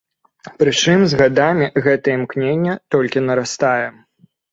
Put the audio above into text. Прычым з гадамі гэтае імкненне толькі нарастае.